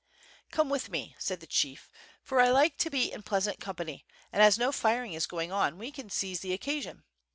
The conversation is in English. *' "Come with me, said the chief, "for I like to be in pleas ant company, and as no firing is going on, we can seize the occasion.